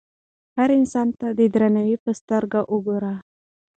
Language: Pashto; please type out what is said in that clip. هر انسان ته د درناوي په سترګه وګورئ.